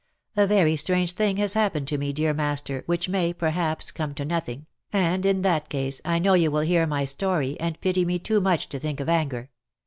A very strange thing has happened to me, dear master, which may, perhaps, come to nothing, and in that case I know you will hear my story, and pity me too much to think of anger.